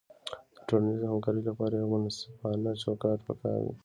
د ټولنیزې همکارۍ لپاره یو منصفانه چوکاټ پکار دی.